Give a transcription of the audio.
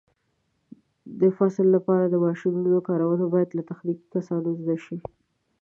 د فصل لپاره د ماشینونو کارونه باید له تخنیکي کسانو زده شي.